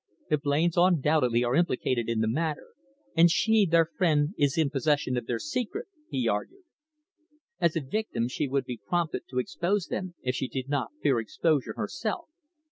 "The Blains undoubtedly are implicated in the matter, and she, their friend, is in possession of their secret," he argued. "As a victim, she would be prompted to expose them if she did not fear exposure herself.